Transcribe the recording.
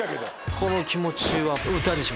この気持ちは。